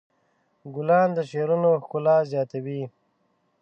ګلان د شعرونو ښکلا زیاتوي.